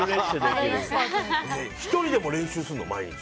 １人でも練習するの？